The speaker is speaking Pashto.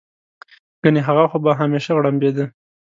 ګنې هغه خو به همېشه غړمبېده.